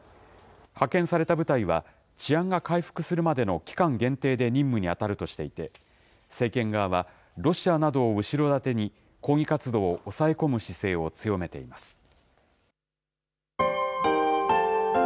派遣された部隊は、治安が回復するまでの期間限定で任務に当たるとしていて、政権側はロシアなどを後ろ盾に抗議活動を抑え込む姿勢を強めています。